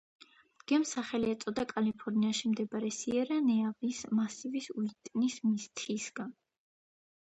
გემს სახელი ეწოდა კალიფორნიაში მდებარე სიერა-ნევადის მასივის უიტნის მთისგან.